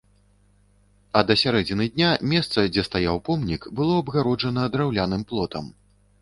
А да сярэдзіны дня месца, дзе стаяў помнік, было абгароджана драўляным плотам.